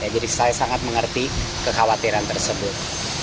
jadi saya sangat mengerti kekhawatiran tersebut